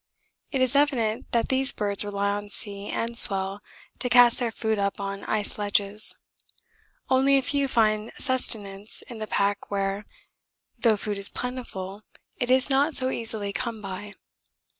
It is evident that these birds rely on sea and swell to cast their food up on ice ledges only a few find sustenance in the pack where, though food is plentiful, it is not so easily come by.